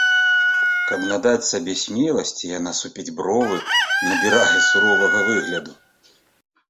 Каб надаць сабе смеласці, яна супіць бровы, набірае суровага выгляду.